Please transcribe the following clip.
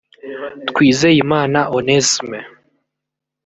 Twizeyimana Onesme